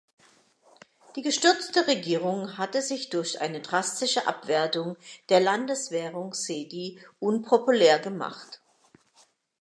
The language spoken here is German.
Die gestürzte Regierung hatte sich durch eine drastische Abwertung der Landeswährung Cedi unpopulär gemacht.